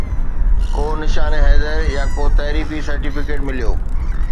ڪو نشان حيدر يا ڪو تعريفي سرٽيفڪيٽ مليو